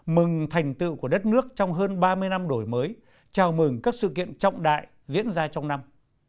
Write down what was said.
mừng thành tựu của đất nước trong hơn ba mươi năm đổi mới chào mừng các sự kiện trọng đại diễn ra trong năm